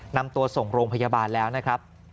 นำตัวส่งโรงพยาบาลแล้วนะครับ